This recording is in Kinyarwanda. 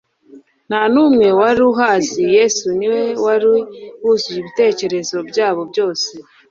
Nta n'umwe wari uhazi. Yesu ni we wari wuzuye ibitekerezo byabo byose.